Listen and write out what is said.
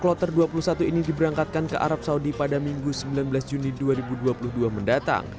kloter dua puluh satu ini diberangkatkan ke arab saudi pada minggu sembilan belas juni dua ribu dua puluh dua mendatang